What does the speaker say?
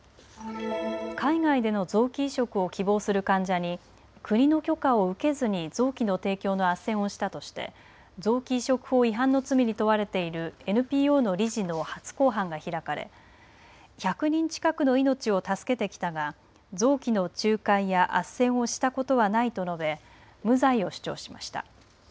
海外での臓器移植を希望する患者に国の許可を受けずに臓器の提供のあっせんをしたとして臓器移植法違反の罪に問われているＮＰＯの理事の初公判が開かれ１００人近くの命を助けてきたが臓器の仲介やあっせんをしたことはないと述べ無罪を主張しました。